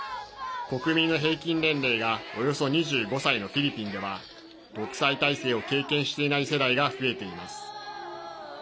国民の平均年齢がおよそ２５歳のフィリピンでは独裁体制を経験していない世代が増えています。